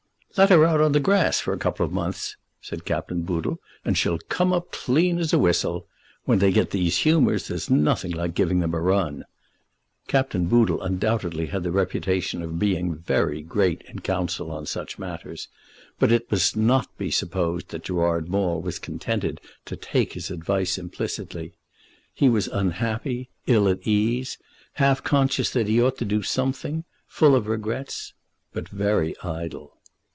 "Let her out on the grass for a couple of months," said Captain Boodle, "and she'll come up as clean as a whistle. When they get these humours there's nothing like giving them a run." Captain Boodle undoubtedly had the reputation of being very great in council on such matters; but it must not be supposed that Gerard Maule was contented to take his advice implicitly. He was unhappy, ill at ease, half conscious that he ought to do something, full of regrets, but very idle.